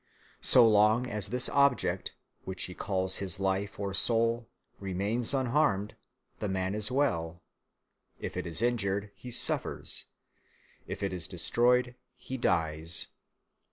So long as this object which he calls his life or soul remains unharmed, the man is well; if it is injured, he suffers; if it is destroyed, he dies.